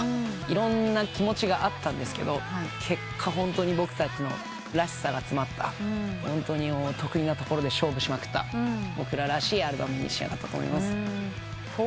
いろんな気持ちがあったんですけど結果ホントに僕たちのらしさが詰まったホントに得意なところで勝負しまくった僕ららしいアルバムに仕上がったと思います。